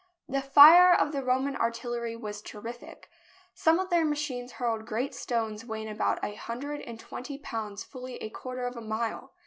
The fire of the Roman artillery was terrific. Some of their machines hurled great stones weighing about a hundred and twenty pounds fully a quarter of a mile.